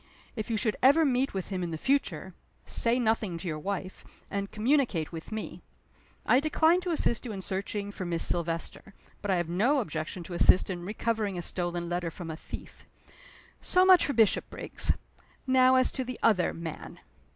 If you should ever meet with him in the future say nothing to your wife, and communicate with me. I decline to assist you in searching for Miss Silvester; but I have no objection to assist in recovering a stolen letter from a thief. So much for Bishopriggs. Now as to the other man."